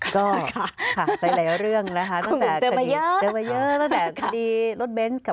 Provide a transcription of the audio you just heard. ค่ะค่ะค่ะหลายเรื่องนะคะ